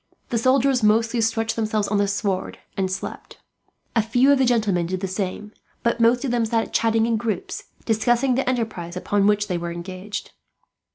The soldiers mostly stretched themselves on the sward and slept. A few of the gentlemen did the same, but most of them sat chatting in groups, discussing the enterprise upon which they were engaged.